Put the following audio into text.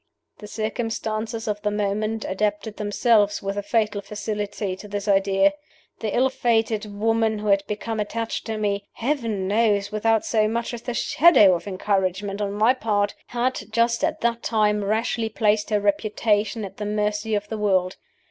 "The circumstances of the moment adapted themselves, with a fatal facility, to this idea. The ill fated woman who had become attached to me (Heaven knows without so much as the shadow of encouragement on my part!) had, just at that time, rashly placed her reputation at the mercy of the world.